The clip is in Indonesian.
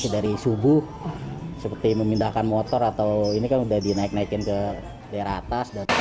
demindahkan motor atau ini kan udah dinaik naikin ke daerah atas